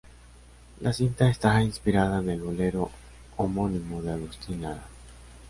La cinta está inspirada en el bolero homónimo de Agustín Lara.